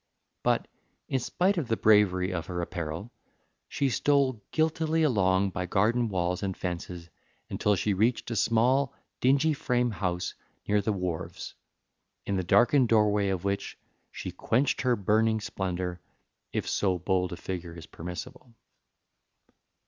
But, in spite of the bravery of her apparel, she stole guiltily along by garden walls and fences until she reached a small, dingy frame house near the wharves, in the darkened doorway of which she quenched her burning splendor, if so bold a figure is permissible.